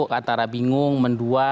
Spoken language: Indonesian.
keantara bingung mendua